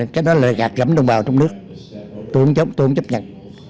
cái đó là gạt gắm đồng bào trong nước tôi không chấp nhận